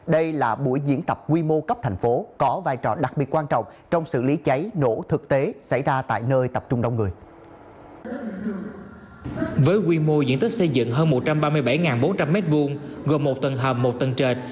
với quy mô diện tích xây dựng hơn một trăm ba mươi bảy bốn trăm linh m hai gồm một tầng hầm một tầng trệt